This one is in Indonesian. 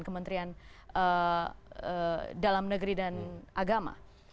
kementerian dalam negeri dan agama